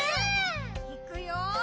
いくよ！